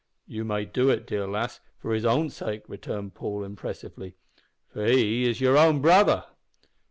"You may do it, dear lass, for his own sake," returned Paul, impressively, "for he is your own brother."